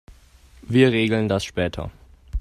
Wir regeln das später.